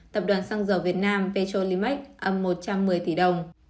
tập đoàn xăng dầu việt nam petrolimax âm một trăm một mươi tỷ đồng